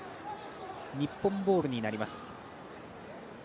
日本ボールになります。